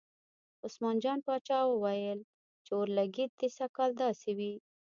عثمان جان پاچا ویل چې اورلګید دې سږ کال داسې وي.